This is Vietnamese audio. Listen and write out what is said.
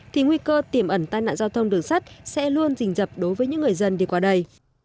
thì nguy cơ tiềm ẩn tai nạn giao thông đường sắt sẽ luôn rình rập đối với những người dân đi qua đây